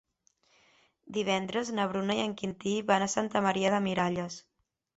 Divendres na Bruna i en Quintí van a Santa Maria de Miralles.